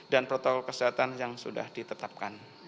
dan protokol kesehatan yang sudah ditetapkan